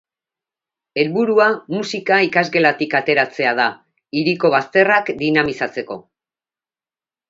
Helburua musika ikasgelatik ateratzea da, hiriko bazterrak dinamizatzeko.